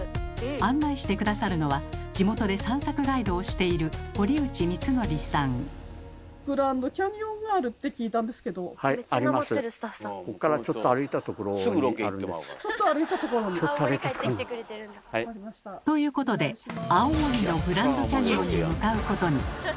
案内して下さるのは地元で散策ガイドをしているということで青森のグランドキャニオンに向かうことに。